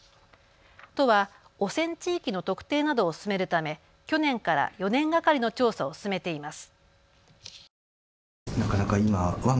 都は汚染地域の特定などを進めるため、去年から４年がかりの調査を進めています。